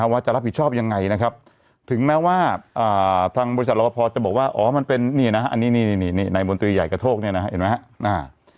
ว่าจะรับผิดชอบยังไงนะครับถึงแม้ว่าทางบริษัทรอบพอจะบอกว่าอ๋อมันเป็นนี่นะฮะอันนี้ในมนตรีใหญ่กระโทกเนี่ยนะฮะเห็นไหมครับ